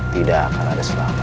tidak akan ada selama